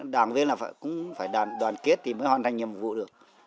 đoàn viên cũng phải đoàn kết thì mới hoàn thành nhiệm vụ được